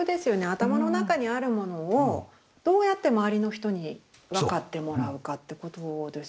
頭の中にあるものをどうやって周りの人に分かってもらうかってことですよね。